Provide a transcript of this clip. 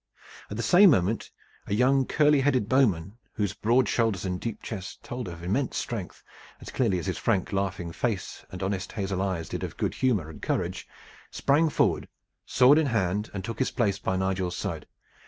At the same moment a young curly headed bowman, whose broad shoulders and deep chest told of immense strength, as clearly as his frank, laughing face and honest hazel eyes did of good humor and courage, sprang forward sword in hand and took his place by Nigel's side.